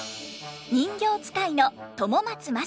人形遣いの友松正人さん。